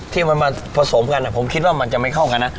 ที่มันมาผสมกันผมคิดว่ามันจะไม่เข้ากันนะ